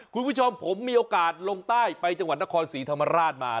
คุณผู้ชมผมมีโอกาสลงใต้ไปจังหวัดนครศรีธรรมราชมา